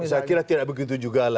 saya kira tidak begitu juga